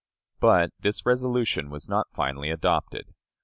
But this resolution was not finally adopted.